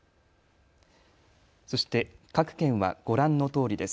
そして、各県はご覧のとおりです。